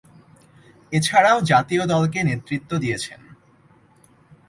এছাড়াও জাতীয় দলকে নেতৃত্ব দিয়েছেন।